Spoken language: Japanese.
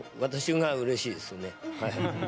私が嬉しいですね。